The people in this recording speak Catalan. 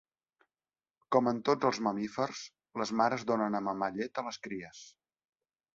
Com en tots els mamífers, les mares donen a mamar llet a les cries.